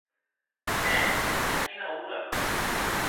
Mès a quina ora?